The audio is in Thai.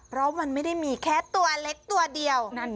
เพราะมันไม่ได้มีแค่ตัวเล็กตัวเดียว